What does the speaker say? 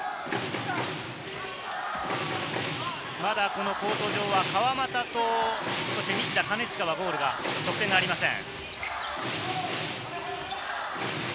まだコート上は川真田と西田、金近はゴール、得点がありません。